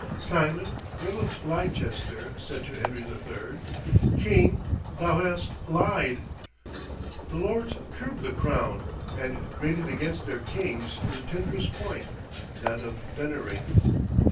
Simon, Earl of Leicester, said to Henry III., "King, thou hast lied!" The Lords curbed the crown, and grated against their kings in the tenderest point, that of venery.